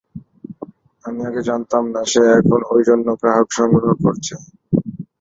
আমি আগে জানতাম না, সে এখন ঐ জন্য গ্রাহক সংগ্রহ করছে।